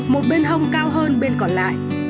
một bên hông cao hơn bên còn lại